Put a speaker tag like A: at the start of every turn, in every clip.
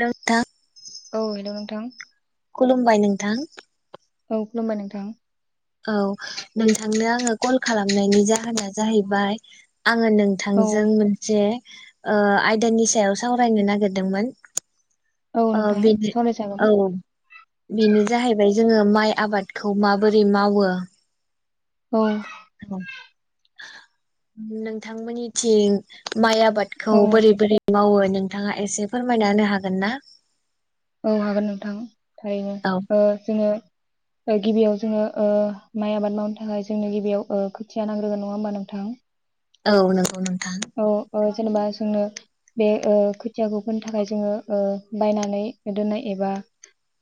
A: नोंथां
B: औ हेलौ नोंथां
A: खुलुमबाय नोंथां
B: औ खुलुमबाय नोंथां
A: औ नोंथांनो आङो कल खालामनायनि जाहोना जाहैबाय आङो
B: औ
A: नोंथांजों मोनसे ओ आयदानि सायाव सावरायनो नागिरदोंमोन।
B: औ
A: अ
B: नोंथां
A: बेनो
B: सावरायजागोन
A: औ बेनो जाहैबाय जोङो माइ आबादखौ माबोरै मावो?
B: औ
A: नोंथांमोननिथिं माइ आबादखौ
B: औ
A: बोरै बोरै मावो? नोंथाङा एसे फोरमायना होनो हागोन ना?
B: औ हागोन नोंथां। थारैनो
A: औ
B: ओ जोङो ओ गिबियाव जोङो ओ माइ आबाद मावनो थाखाय जोंनो गिबियाव ओ खोथिया नांग्रोगोन नङा होमबा नोंथां!
A: औ नंगौ नों
B: औ ओ जेनेबा जोंनो बे ओ खोथियाखौ फोनो थाखाय जोङो ओ बायनानै दोननाय एबा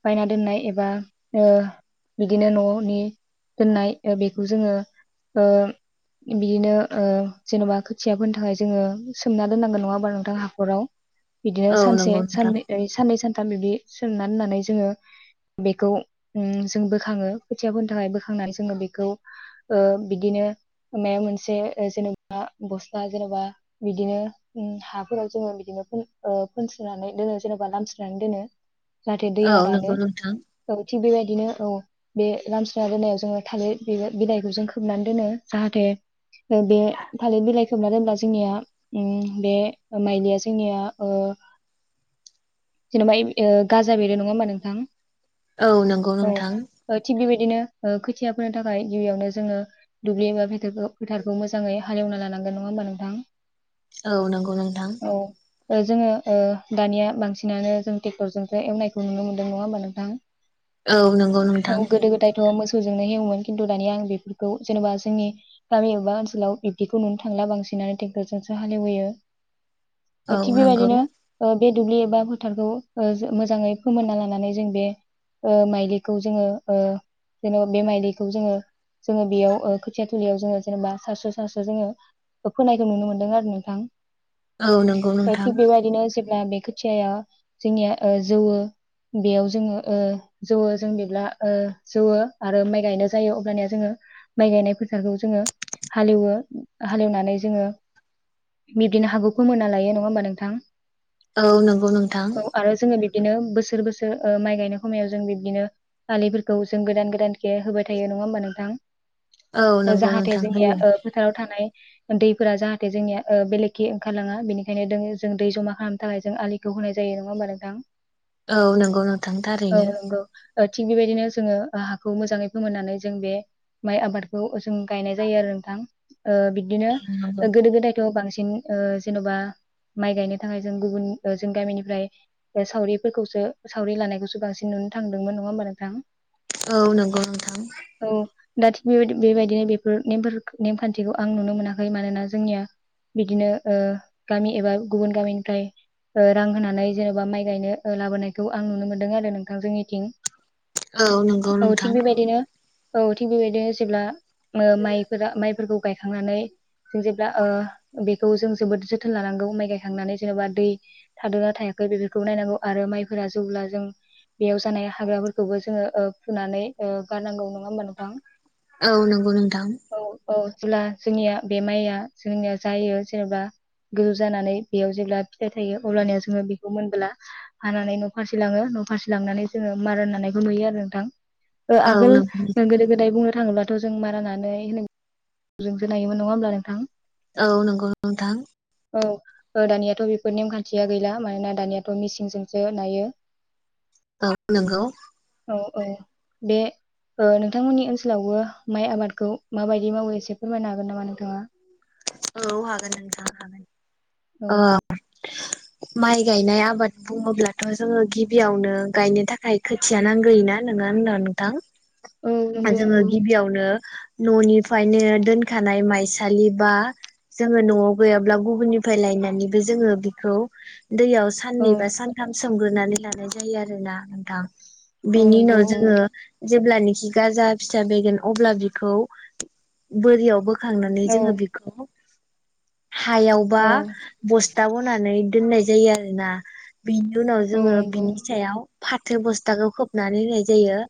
B: बायना दोननाय एबा ओ बिदिनो ननि दोननाय ओ बेखौ जोङो ओ बिनो ओ जेनबा खोथिया फोनो थाखाय जोङो सोमना दोननांगोन नङा होमबा नोंथां! हाखराव बिदिनो
A: औ
B: सानसे
A: नंगौ नोंथां
B: सानै साननै सान थाम बिब्दि सोमना दोननानै जोङो बेखौ उम जों बोखाङो खोथिया फोनो थाखाय बोखांनानै जोङो बेखौ ओ बिदिनो माबा मोनसे जेनेबा बस्ता जेनेबा बिदिनो उम हाफोराव जोङो बिदिनो फोन ओ फोनस्रोनानै दोनो जेनेबा लामस्रोनानै दोनो। जाहाथे दैया
A: औ
B: रानो
A: नंगौ नोंथां
B: औ थिग बेबायदिनो औ बे लामस्रोना दोननायाव जोङो थालिर बि-बिलाइखौ जों खोबनानै दोनो जाहाथे उम बे थालिर बिलाइ खोमना दोनब्ला जोंनिया उम बे माइलिया जोंनिया ओ जेनेबा ए गाजा बेरो नङा होमबा नोंथां?
A: औ नंगौ नोंथां
B: दिनो ओ खोथिया फोनो थाखाय गिबियावनो जोङो दुब्लि एबा फोथारखौ फोथारखौ मोजाङै हालेव लानांगोन नङा होमबा नोंथां?
A: औ नंगौ नोंथां
B: औ ओ जोङो ओ दानिया बांसिनानो जों ट्रेक्टरजोंसो एवनायखौ नुनो मोन्दों नङा होमबा नोंथां?
A: औ नंगौ नोंथां
B: औ गोदो गोदायथ' मोसौजोंनो एवोमोन खिन्थु दानिया आं बेफोरखौ जेनेबा जोंनि गामि बा ओनसोलाव बिखौ नुनो थांला बांसिनानो ट्रेक्टरजोंसो हालेव होयो
A: औ
B: थिग
A: नंगौ
B: बेबायदिनो ओ बे दुब्लि एबा फोथारखौ ओ जो मोजाङै फोमोनना लानानै जों बे ओ माइलिखौ जोङो ओ जेनेबा बे माइलिखौ जोङो जोङो बेयाव ओ खोथिया थिलियाव जोङो जेनेबा सारस्रो सारस्रो जोङो ओ फोनायखौ नुनो मोन्दों आरो नोंथां।
A: औ नंगौ नोंथां।
B: ब्ला बे खोथियाया जोंनिया ओ जौवो बेयाव जोङो ओ जौवो जों बेब्ला जौव आरो माइ गायनाय जायो अबानया जोङो माइ गायनाय फोथारखौ जोङो हालेवो हालेवनानै जोङो बिब्दिनो हागौखौ फोमोनना लायो नङा होमबा नोंथां!
A: औ नंगौ नोंथां
B: इदिनो बोसोर बोसोर ओ माइ गायनाय हमायाव जों बिबदिनो फालिफोरखौ जों गोदान गोदानखे होबाय थायो नङा होमबा नोंथां?
A: औ नंगौ
B: जाहाथे
A: नोंथां
B: जोंनिया
A: हायो।
B: ओ फोथाराव थानाय दैफोरा जाहाथे जोंनिया ओ बेलेगखि ओंखारलाङा बेनिखायनो दङो जों दै जमा खालामनो थाखाय जों आलिखौ होनाय जायो नङा होमबा नोंथां?
A: औ नंगौ नोंथां
B: औ
A: थारैनो
B: नंगौ ओ थिग बेबायदिनो जोङो हाखौ मोजाङै फोमोननानै जों बे माइ आबादखौ जों गायनाय जायो आरो थां। ओ बिदिनो
A: नंगौ
B: गोदो गोदायथ' बांसिन बांसिन ओ जेन'बा माइ गायनो थाखाय ओ जों गुबुन जों गामिनिफ्राय सावरिफोरखौसो सावरि लानायखौसो बांसिन नुनो थांदोंमोन नङा होमबा नोंथां।
A: औ नंगौ नोंथां।
B: औ दा थिग बेबाय-बेबायदिनो बेफोर नेमफोर नेमखान्थिखौ आं नुनो मोनाखै। मानोना जोंनिया बिदिनो ओ गामि एबा गुबुन गामिनिफ्राय ओ रां होनानै जेन'बा माइ गायनो लाबोनायखौ आं नुनो मोनदों आरो नोंथां जोंनिथिं।
A: औ नंगौ
B: औ थिग
A: नोंथां।
B: बेबायदिनो औ थिग बेबायदिनो जेब्ला ओ माइ फोरा माइफोरखौ गायखांनानै जों जेब्ला ओ बेखौ जों जोबोद जोथोन लानांगौ माइ गायखांनानै जेनेबा दै थादोना थायाखै बेफोरखौ नायनांगौ आरो माइफोरा जेब्ला जों बेयाव जानाय हाग्राफोरखौबो जोङो फुनानै ओ गारनांगौ नङा होमबा नोंथां।
A: औ नगौ नों
B: औ औ। जेब्ला जोंनिया बे माइया जोंनिया जायो जेनेबा गोजौ जानानै बेयाव जेब्ला फिथाइ थायो अब्लानिया जोङो बेखौ मोनबोला हानानै न' फारसे लाङो। न' फारसे लांनानै जोङो मार होनानायखौ नुयो आरो नोंथां। ओ
A: औ
B: आगोल
A: नंगौ
B: गोदो गोदाय बुंनो थाङोब्ला थ' जों मारानानै [unintelligible] जोंसो नायोमोन नङा होमब्ला नोंथां।
A: औ नंगौ नोंथां।
B: औ ओ दानियाथ' बेफोर नेमखान्थिया गैला मानोना दानियाथ' मिसिंजोंसो नायो।
A: औ नोंगौ।
B: औ औ बे ओ नोंथांमोननि ओनसोलावबो माइ आबादखौ माबायदि मावो एसे फोरमायनो हागोन नामा नोंथाङा?
A: औ हागोन नोंथां हागोन।
B: औ
A: ओ माइ गायनाय आबाद बुङोब्लाथ' जोङो गिबियावनो गायनो थाखाय खोथिया नांग्रोयोना नोङा होनबा नोंथां।
B: औ नंगौ
A: जोङो
B: नंगौ
A: गिबियावनो न'निफ्रायनो दोनखानाय माइसालि बा जोङो न'आव गैयाब्ला गुबुननिफ्राय लायनानैबो जोङो बिखौ दैयाव
B: औ
A: साननै बा सान्थाम सोमग्रोनानै लानाय जायो आरोना नोंथां।
B: औ
A: बिनि उनाव
B: नंगौ
A: जोङो
B: औ
A: जेब्लानोखि गाजा फिसा बेरगोन अब्ला बिखौ बोरियाव बो खांनानै
B: औ
A: जोङो बिखौ हायाव बा
B: औ
A: बस्था बनानै दोननाय जायो आरोना। बिनि उनाव
B: औ
A: जोङो
B: नंगौ
A: बिनि सायाव फाथो बस्थाखौ खोबनानै होनाय जायो।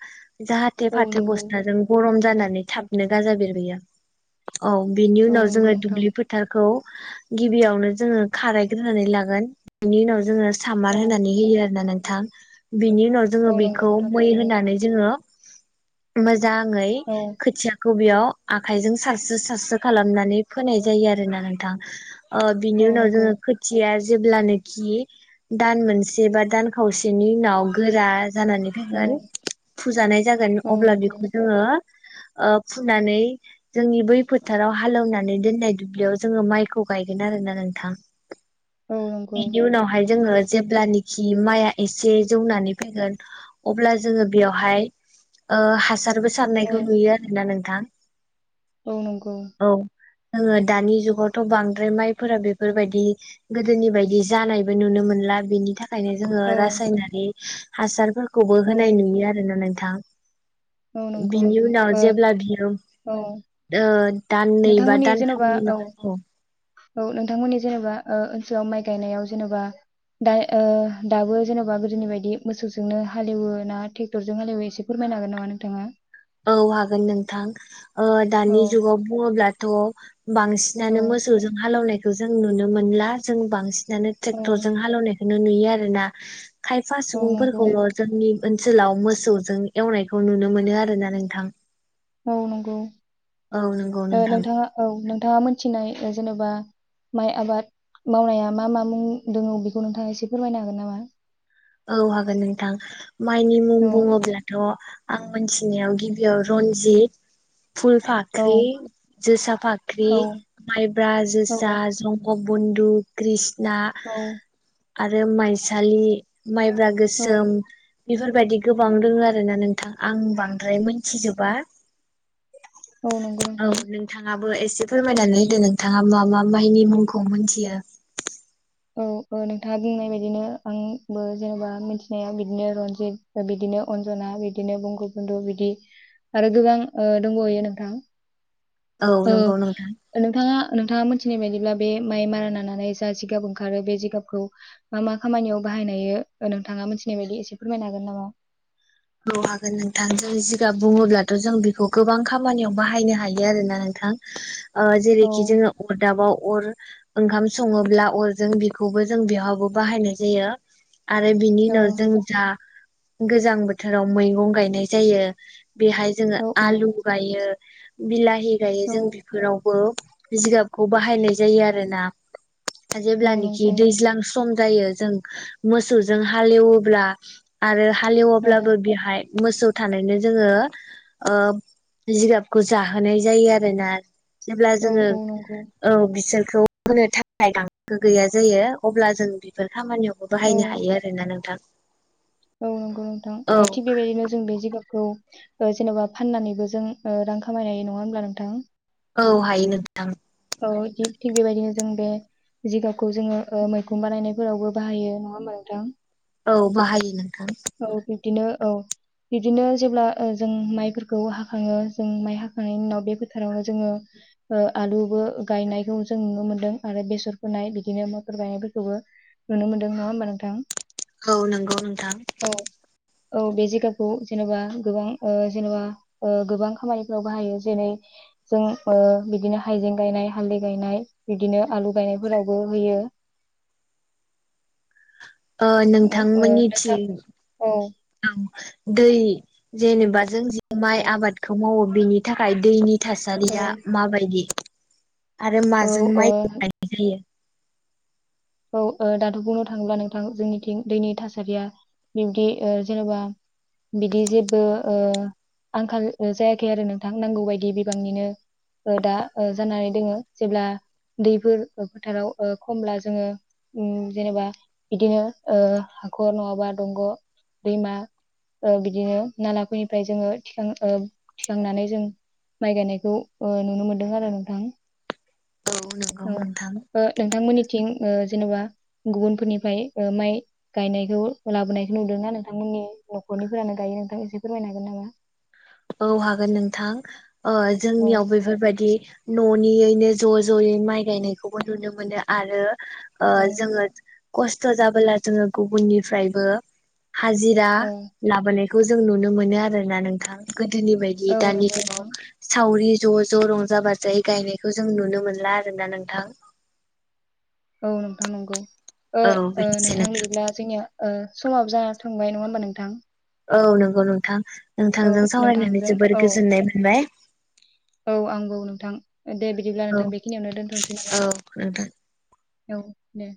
A: जाहाथे
B: औ
A: फा थो
B: नंगौ
A: बस्था जों गरम जानानै थाबनो गाजा बेरबोयो। औ बिनि
B: औ
A: उनाव
B: नंगौ
A: जोङो
B: नोंथां
A: दुब्लि फोथारखौ गिबियावनो जोङो खारायग्रोनानै लागोन बेनि उनाव जोङो स
B: औ
A: सामार होनानै होयो आरो ना नों थां। बिनि उनाव जोङो
B: औ नंगौ
A: बेखौ
B: नोंथां
A: मै
B: थारैनो
A: होनानै जोङो मोज जाङै
B: औ
A: खोथिया बबेयाव आखाइजों सारस्रो सारस्रो खालामनानै फोनाय जायो आरो ना नोंथां। ओ बिनि
B: औ
A: उनाव
B: नंगौ
A: जोङो खोथिया ज जेब्लानोखि दान मोनसे बा दान खावसेनि उनाव गोरा जानानै
B: औ
A: [unintelligible] फुजानाय जागोन
B: औ
A: अब्ला
B: नंगौ
A: बिखौ जोङो ओ फुनानै जोंनि बै फोथाराव हालेवनानै दोननाय दुब्लियाव जोङो माइखौ गायगोन आरो ना नोंथां।
B: औ नंगौ
A: [unintelligible] उनावहाय जोङो जेब्लानोखि माइआ एसे जौनानै फैगोन अब्ला जोङो बेयावहाय ओ हासार बो
B: औ
A: सारनायखौ नुयो आरो ना नों थां।
B: औ नंगौ।
A: [unintelligible] दानि जुगावथ' बांद्राय माइफोरा बेफोरबायदि गोदोनि बायदि जानायबो नुनो मोनला बिनि था खायनो जोङो
B: औ
A: रासायनारि हासारफोर खौबो
B: औ
A: होनाय नुयो आरो ना नों थां।
B: औ नंगौ
A: बिनि
B: नोंथां
A: उनाव
B: ओ
A: जेब्ला बियो
B: औ
A: ओ दाननै बा
B: नोंथांमोननि जेन'बा
A: दानथामनि उनाव औ।
B: औ नोंथांमोननि जेनेबा ओ ओनसोलाव माइ गायनायाव जेनेबा दा ओह दाबो जेनेबा गोदोनि बायदि मोसौजोंनो हालेवो ना थेकथरजों हालेवो एसे फोरमायनो हागोन नामा नोंथाङा?
A: औ हागोन नोंथां। ओ
B: औ
A: दानि जुगाव बुङोब्ला द'।
B: औ
A: बांसिनानो मोसौजों हालौनाय। खौ जों नुनो मोनला जों बांसि नानो
B: औ
A: ट्रेक्टरजों हालौनायखौ नुयो आरोना। खायफा
B: औ नंगौ
A: सुबुंफोरखौल' जोंनि। ओनसोलाव मोसौजों एवनायखौ नुनो मोनो आरो ना। नोंथां।
B: औ नंगौ।
A: औ नंगौ
B: ओह
A: नोंथां
B: नोंथाङा औ नों नोंथाङा मोनथिनाय जेनेबा माइ आबाद मावनाया मा मा मुं दङ बेखौ नोंथाङा एसे फोरमायनो हागोन नामा?
A: औ हागोन नोंथां। माइनि मुं
B: औ
A: बुङोब्लाथ'। आं मोनथिनायाव गिबियाव रन्जित।
B: औ
A: फुलफाख्रि जोसा फाख्रि
B: औ
A: माइब्रा जोसा
B: औ
A: जंग बुन्दु कृस। दा।
B: औ
A: आरो माइसालि। माइब्रा
B: औ
A: गोसोम। बेफोरबायदि गोबां दोङो आरो ना नोंथां आं बांद्राय मिनथिजोबा।
B: नंगौ
A: औ
B: नोंथां
A: नोंथाङाबो एस से फोरमायनानै होदो नोंथाङा मा मा मायनि मुंखौ मोनथियो।
B: औ ओ नोंथाङा बुंनाय बायदिनो आंबो जेनेबा मिथिनाया बिदिनो रनजित बिदिनो अन्जना बिदिनो बंग' बुन्दु बिदि आरो गोबां दंबयो नोंथाङा।
A: औ नंगौ नोंथां
B: ओ नोंथाङा नों नोंथाङा मिथिनाय बायदिब्ला बे माइ मारा नानानै जा जिगाब ओंखार आरो बे जिगाबखौ मा मा खामानियाव बाहायनो हायो ओ नोंथाङा मिथिनाय बायदि एसे फोरमायनो हागोन नामा?
A: औ हागोन नोंथां जों जिगाब बुङोब्लाथ' जों बेखौ गोबां खामानियाव बाहायनो हायो आरोना नोंथां।
B: औ
A: जेरैखि जोङो अरदाबाव अर। ओंखाम सङोब्ला अरजों बेखौबो जों बेहबो बाहायनाय जायो आरो बिनि
B: औ
A: न जों जा गोजां बोथोर बोथोराव मैगं गायनाय जायो बेहाय जोङो
B: औ औ
A: आलु गायो बिलाह
B: औ
A: [unintelligible] जिगाबखौ बाहायनाय जायो आरोना
B: औ
A: जेब्लानिखि
B: नंगौ
A: दैज्लां [unintelligible] जों मोसौजों हाएवोब्ला आरो हाल
B: औ
A: बियाबो बेहाय। मोसौ थानायनो जोङो ओ जिगाबखौ जाहोनाय जायो आरोना। जेब्ला
B: औ
A: जोङो
B: औ नंगौ
A: औ बिसोर। होनो थाखाय गांसो गैया जायो अब्ला जों बेफोर खामानियाव। बाहायनो
B: औ
A: हायो आरोना नोंथां।
B: औ नंगौ
A: औ
B: नोंथां थिग बेबायदिनो जों बे जायगायावखौ। खौ जेनबा फाननानैबो जों रां खामायनाय नङा होनोमब्ला नोंथां।
A: औ हायो नोथां।
B: औ थिग थिग बेबायदिनो जों बे जिगाखौ जोङो मैखुन बानायनायफोरावबो बाहायो नङा होमबा नोंथां।
A: औ बाहायो। नोंथां
B: औ दे। बिदिनो औ बिदिनो जेब्ला जों माइफोरखौ हाखाङो जों माइ हाखांनायनि उनाव बे फोथारावनो जोङो आलुबो गायनायखौ जों नुनो मोनदों आरो बेसर फोनाय बिदिनो माइफोर बायनायफोरखौबो नुनो मोनदों नङा होमबा नोंथां।
A: औ नंगौ नोंथां।
B: औ औ बे जायगाखौ जेनेबा गोबां जेनेबा गोबां खामानिफोराव बाहायो जेरै जों ओ बिदिनो हायजें गायनाय हाल्दै गायनाय बिदिनो आलु गायनायफोरावबो होयो।
A: ओ
B: ओ ओ
A: नोंथांमोननि थिं
B: नोंथां औ
A: औ। दै जेनेबा जों।
B: औ
A: माइ आबादखौ मावो। बिनि थाखाय दैनि थासारिया माबायदि। आरो
B: औ
A: माजों
B: ओ
A: माइखौ गायनाय जायो।
B: औ औ दाथबुंनो थाङोब्ला नोंथां जोंनिथिं दैनि थासारिया बिब्दि जेनेबा बिदि जेबो आंखाल जायाखै आरो नोंथां नांगौ बदि बिबांनिनो दा जानानै दङो जेब्ला दैफोर फोथाराव खमब्ला जोङो। जेनेबा बिदिनो ओ हाखर नङाबा दंग दैमा ओ बिदिनो नालाफोरनिफ्राय जोङो थिखांनानै जों माइ गायनायखौ नुनो मोनदों आरो नोंथां।
A: औ नंगौ नोंथां
B: औ नोंथांमोननि। थिं जेनेबा गुबुनफोरनिफ्राय माइ गायनायखौ लाबोनायखौ नुदोंनाा नोंथांमोननि नखरनिफोरानो गायो नोंथां एसे फोरमायनो हागोन नामा।
A: औ हागोन नोंथां। ओ
B: औ
A: जोंनियाव बेफोरबायदि। न'नियैनो ज' ज'यै माइ गायनायखौबो नुनो मोनो आरो।
B: औ
A: जोङो। खस्थ' जाबोला जोङो गुबुननिफ्रायबो हाजिरा
B: औ
A: लााबने बेखौ जों नुनो मोनो आरोोना नोंथां। गोदोनि बायदि
B: औ
A: दानि
B: नंगौ नोंथां
A: दिुगाव सावरि। ज' ज' रंजा बाजायै गायनायखौ जों नुनो मोनला आरोोना नोंथां।
B: औ नोंथां नंगौ।
A: औ बिदिनो
B: नोंथां बिदिब्ला जोंनिया। समाब ज थांबाय नङा होमबा नोंथां।
A: औ नंगौ नोंथां।
B: औ
A: नोंथांजों सावरायनानै
B: नोंथांजों
A: जोबोर
B: औ
A: गोजोननाय मोनबाय।
B: औ आंगौ नोंथां। दे बिदिब्ला
A: औ
B: नोंथां बेखिनियावनो दोन्थ'नोसै
A: औ
B: नामा?
A: नोंथां
B: औ दे।